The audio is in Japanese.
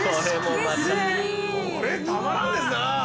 これたまらんですな！